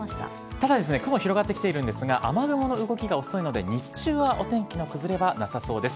ただ、雲広がってきているんですが、雨雲の動きが遅いので、日中はお天気の崩れはなさそうです。